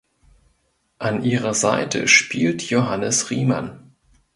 An ihrer Seite spielt Johannes Riemann.